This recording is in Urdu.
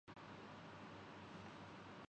ان دنوں حسین حقانی صاحب کا ایک مضمون زیر بحث ہے۔